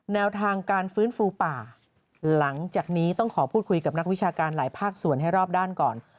แนวทางการฟื้นฟูป่าหลังจากนี้ต้องขอพูดคุยกับนักวิชาการหลายภาคส่วนให้รอบด้านก่อน